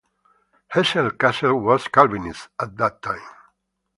Hesse-Kassel was Calvinist at that time.